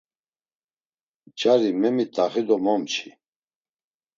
Cari memit̆axi do momçi.